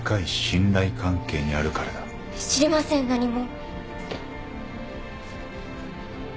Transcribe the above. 知りません何も。